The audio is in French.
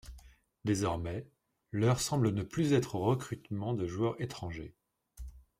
Désormais, l'heure semble ne plus être au recrutement de joueurs étrangers.